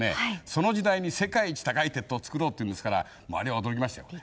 その時代に世界一高い鉄塔を造ろうというんですから周りは驚きましたよね。